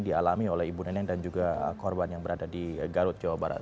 dialami oleh ibu neneng dan juga korban yang berada di garut jawa barat